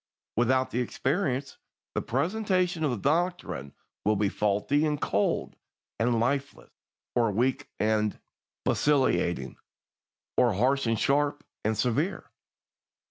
Without the experience, the presentation of the doctrine will be faulty and cold and lifeless, or weak and vacillating, or harsh and sharp and severe.